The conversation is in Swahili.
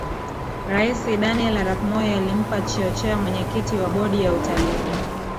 Raisi Daniel Arap Moi alimpa cheocha mwenyekiti wa bodi ya utalii